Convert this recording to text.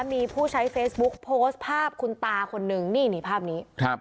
มีผู้ใช้เฟซบุ๊คโพสต์ภาพคุณตาคนนึงนี่นี่ภาพนี้ครับ